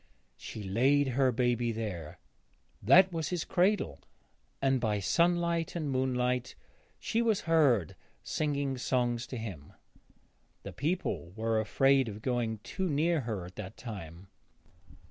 She laid her baby there. That was his cradle, and by sunlight and moonlight she was heard singing loud songs to him. The people were afraid of going too near her at that time.